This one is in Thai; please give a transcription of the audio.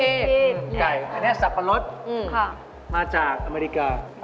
ไข่แห่งสัปรดมาจากอเมริกา